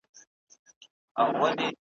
په اجدادو افتخار کړم